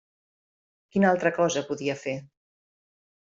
Quina altra cosa podia fer?